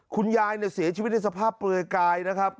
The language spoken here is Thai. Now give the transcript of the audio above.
คุณยายเสียชีวิตในสภาพเปลือยกายนะครับ